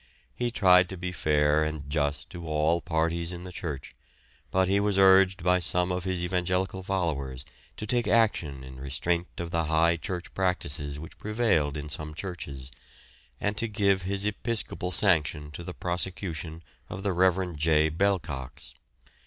He tried to be fair and just to all parties in the church, but he was urged by some of his evangelical followers to take action in restraint of the high church practices which prevailed in some churches, and to give his episcopal sanction to the prosecution of the Rev. J. Bell Cox.